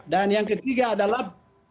dan yang ketiga adalah